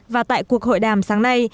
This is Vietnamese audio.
và tại cuộc hội đàm sáng nay